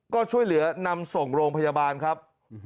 ก็ช่วยเหลือนำส่งโรงพยาบาลครับ